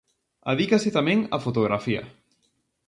Adícase tamén á fotografía.